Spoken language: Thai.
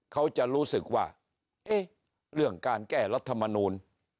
เขาจะรู้สึกว่าเอ๊ะเรื่องการแก้รัฐมนูล